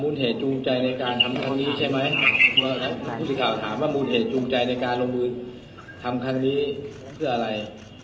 มูลเหตุจรุงใจในการทำทางนี้ใช่ไหมลูกพิการจะถามว่ามูลเหตุจรุงใจในการทำทางนี้เพื่ออะไร